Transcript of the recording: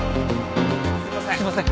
すいません。